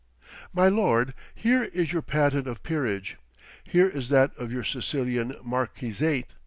"My lord, here is your patent of peerage. Here is that of your Sicilian marquisate.